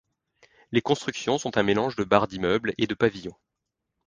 Les constructions sont un mélange de barres d'immeubles et de pavillons.